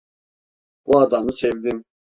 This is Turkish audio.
Bu adamı sevdim.